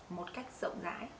một cách rộng rãi